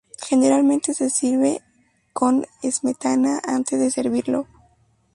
Generalmente se sirve con Smetana antes de servirlo.